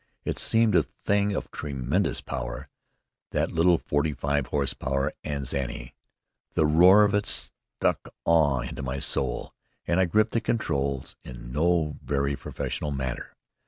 It seemed a thing of tremendous power, that little forty five horsepower Anzani. The roar of it struck awe into my soul, and I gripped the controls in no very professional manner.